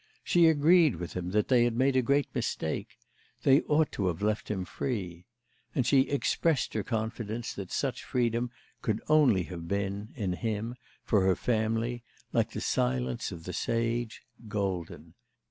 She agreed with him that they had made a great mistake; they ought to have left him free; and she expressed her confidence that such freedom could only have been, in him, for her family, like the silence of the sage, golden.